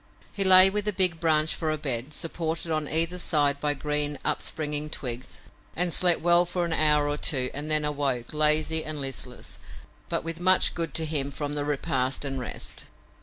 He lay with the big branch for a bed, supported on either side by green, upspringing twigs, and slept well for an hour or two and then awoke, lazy and listless, but with much good to him from the repast and rest.